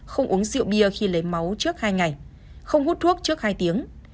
không uống rượu bia khi lấy máu trước hai ngày không hút thuốc trước hai tiếng